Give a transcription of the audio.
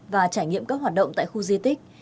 và trải nghiệm các hoạt động tại khu di tích